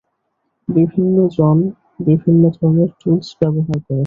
বিভিন্ন জন বিভিন্ন ধরনের টুলস ব্যবহার করে থাকে।